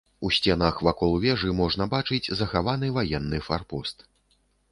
У сценах вакол вежы можна бачыць захаваны ваенны фарпост.